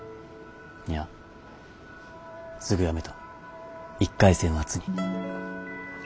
いやすぐやめた１回生の夏に。